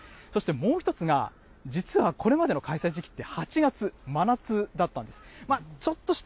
そしてもう１つが、実はこれまでの開催時期って、８月、真夏だったんです。